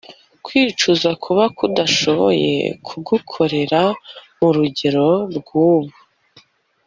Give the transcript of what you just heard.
Kwicuza kuba tudashoboye kugukorera murugero rwubu